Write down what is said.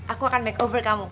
aku akan makeover kamu